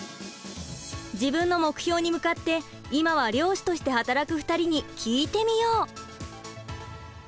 自分の目標に向かって今は漁師として働く２人に聞いてみよう！